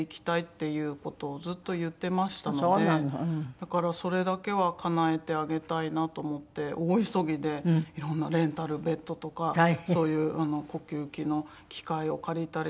だからそれだけはかなえてあげたいなと思って大急ぎでいろんなレンタルベッドとかそういう呼吸器の機械を借りたりとか。